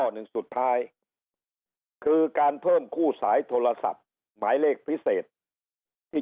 หนึ่งสุดท้ายคือการเพิ่มคู่สายโทรศัพท์หมายเลขพิเศษที่